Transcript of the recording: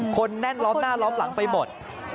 คนแน่นล้อมหน้าล้อมหลังไปหมด